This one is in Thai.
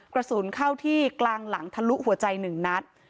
กระสุนเข้าที่กลางหลังทะลุหัวใจ๑นัด